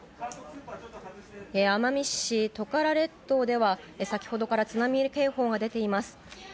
奄美市トカラ列島では先ほどから津波警報が出ています。